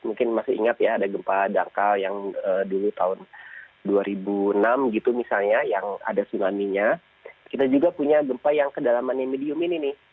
mungkin masih ingat ya ada gempa dangkal yang dulu tahun dua ribu enam gitu misalnya yang ada tsunami nya kita juga punya gempa yang kedalamannya medium ini nih